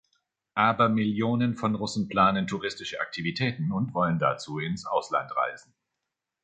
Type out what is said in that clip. Abermillionen von Russen planen touristische Aktivitäten und wollen dazu ins Ausland reisen.